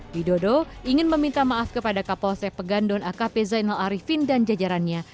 widodo ingin meminta maaf kepada kapolsek pegandon akp zainal arifin dan jajarannya